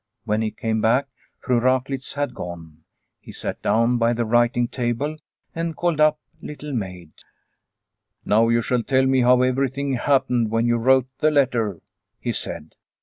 When he came back, Fru Raklitz had gone. He sat down by the writing table and called up Little Maid. " Now you shall tell me how everything happened when you wrote the letter," he said.